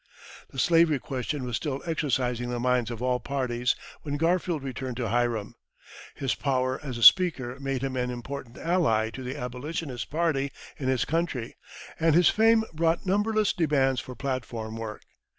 The slavery question was still exercising the minds of all parties when Garfield returned to Hiram. His power as a speaker made him an important ally to the Abolitionist party in his country, and his fame brought numberless demands for platform work.